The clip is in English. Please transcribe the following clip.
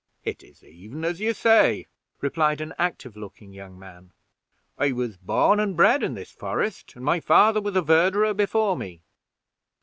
"It is even as you say," replied an active looking young man; "I was born and bred in this forest, and my father was a verderer before me."